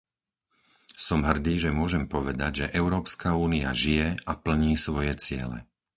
Som hrdý, že môžem povedať, že Európska únia žije a plní svoje ciele.